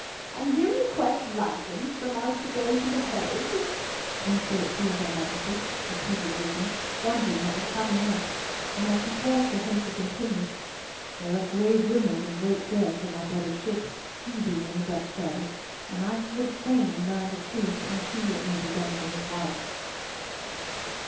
"And you request license from us to go to the Hague?" "An it so please your Majesty," repeated Diccon, wondering what was coming next; and as she paused for him to continue—"There are grave rumours and great fears for my brother's ship—he being in the Dutch service—and I would fain learn the truth and see what may be done for his wife."